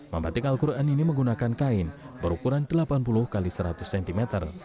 membatik al quran ini menggunakan kain berukuran delapan puluh x seratus cm